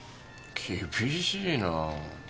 厳しいなあ。